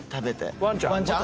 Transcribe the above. ワンちゃん？